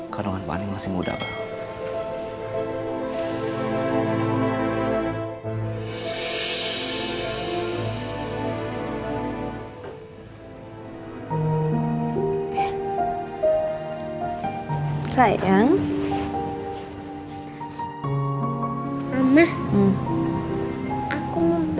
kandungan bu andien masih muda pak